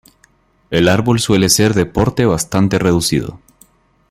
El árbol suele ser de porte bastante reducido.